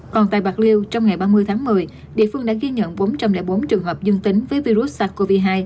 còn tại bạc liêu trong ngày ba mươi tháng một mươi địa phương đã ghi nhận bốn trăm linh bốn trường hợp dương tính với virus sars cov hai